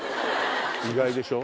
意外でしょ？